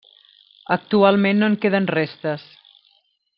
Actualment no en queden restes.